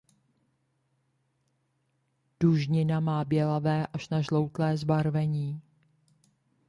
Dužnina má bělavé až nažloutlé zbarvení.